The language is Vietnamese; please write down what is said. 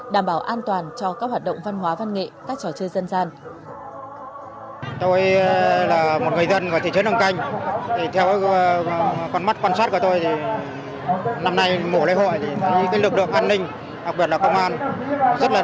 đảm bảo an toàn cho các hoạt động văn hóa văn nghệ các trò chơi dân gian